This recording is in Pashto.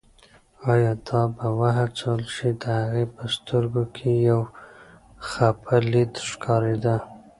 ایا دا به وهڅول شي، د هغې په سترګو کې یو خپه لید ښکارېده.